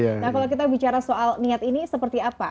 nah kalau kita bicara soal niat ini seperti apa